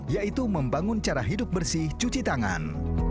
yaitu membangun cara hidup bersih cuci tangan